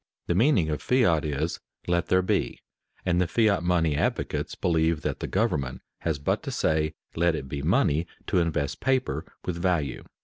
_ The meaning of fiat is "let there be," and the fiat money advocates believe that the government has but to say, "let it be money," to invest paper with value.